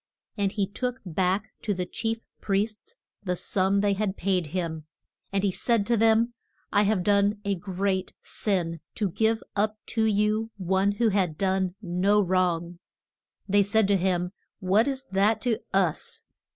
And he took back to the chief priests the sum they had paid him, and he said to them, I have done a great sin to give up to you one who had done no wrong. They said to him, What is that to us?